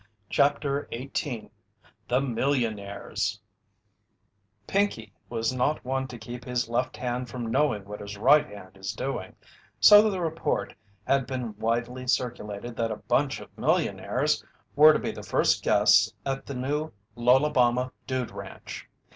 CHAPTER XVIII THE MILLIONAIRES Pinkey was not one to keep his left hand from knowing what his right hand is doing, so the report had been widely circulated that "a bunch of millionaires" were to be the first guests at the new Lolabama Dude Ranch.